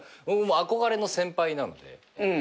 僕も憧れの先輩なんで。